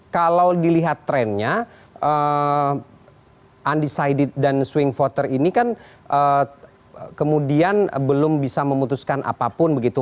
kalau dilihat trennya undecided dan swing voter ini kan kemudian belum bisa memutuskan apapun begitu